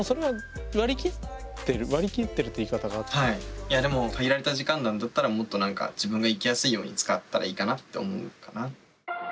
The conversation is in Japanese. いやでも限られた時間なんだったらもっと自分が生きやすいように使ったらいいかなって思うかな。